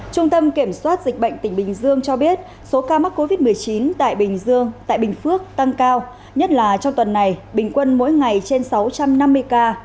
trung tâm kiểm soát dịch bệnh tỉnh bình dương cho biết số ca mắc covid một mươi chín tại bình dương tại bình phước tăng cao nhất là trong tuần này bình quân mỗi ngày trên sáu trăm năm mươi ca